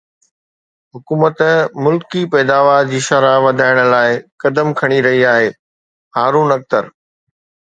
حڪومت ملڪي پيداوار جي شرح وڌائڻ لاءِ قدم کڻي رهي آهي هارون اختر